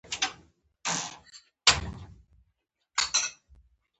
غرمه د پوهې د جذب لپاره ښه وخت نه وي